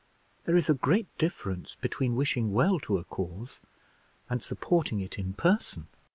There is a great difference between wishing well to a cause and supporting it in person.